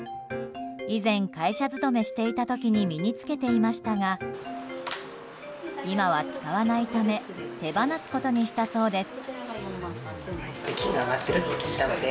以前、会社勤めしていた時に身に着けていましたが今は使わないため手放すことにしたそうです。